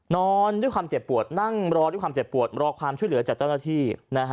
นอนด้วยความเจ็บปวดนั่งรอด้วยความเจ็บปวดรอความช่วยเหลือจากเจ้าหน้าที่